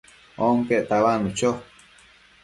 onquec tabadnu cho